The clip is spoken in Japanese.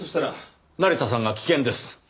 成田さんが危険です！